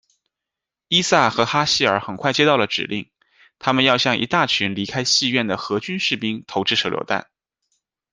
伊萨和哈希尔很快接到了指令，他们要向一大群离开戏院的荷军士兵投掷手榴弹。